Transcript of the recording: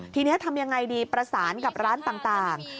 ทีนี้ทำยังไงดีประสานกับร้านต่าง